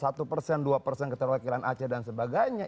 satu persen dua persen keterwakilan aceh dan sebagainya